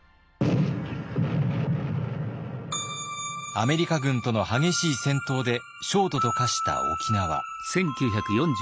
アメリカ軍との激しい戦闘で焦土と化した沖縄。